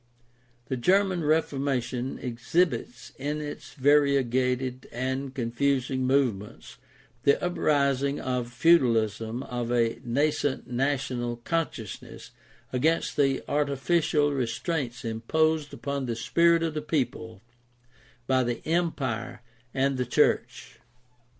The German Reformation exhibits in its variegated and confusing movements the uprising out of feudalism of a nascent national consciousness against the artificial restraints imposed upon the spirit of the people by the Empire and the Church.